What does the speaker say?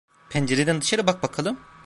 Pencereden dışarı bak bakalım…